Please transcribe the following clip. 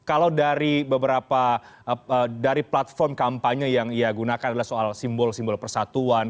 kalau dari beberapa dari platform kampanye yang ia gunakan adalah soal simbol simbol persatuan